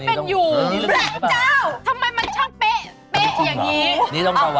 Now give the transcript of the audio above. นี่จงต้องระวังนิดนึนคือนี่คือดีทุกอย่างออกให้รับมีอะไรให้ระวังเลยใช่ไหมคะ